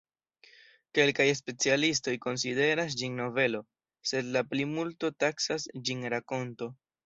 Kelkaj specialistoj konsideras ĝin novelo, sed la plimulto taksas ĝin rakonto.